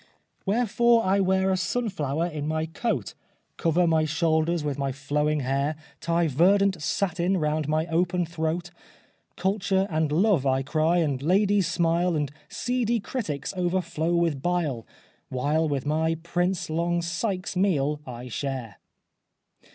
Wherefore I wear a sunflower in my coat Cover my shoulders with my flowing hair Tie verdant satin round my open throat, Culture and love I cry, and ladies smile, And seedy critics overflow with bile While with my Prince long Sykes's meal I share."